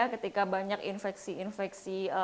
ketika banyak infeksi infeksi